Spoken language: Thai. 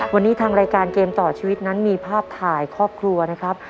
วันนี้ทางรายการเกมต่อชีวิตนั้นมีภาพถ่ายครอบครัวนะครับ